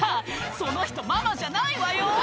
その人ママじゃないわよ」